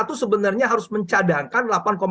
itu sebenarnya harus mencadangkan